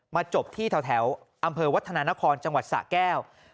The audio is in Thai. จบที่แถวอำเภอวัฒนานครจังหวัดสะแก้ว